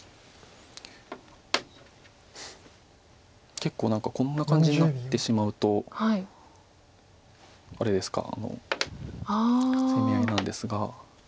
結構何かこんな感じになってしまうとあれですか攻め合いなんですが。